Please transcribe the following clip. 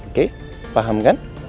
oke paham kan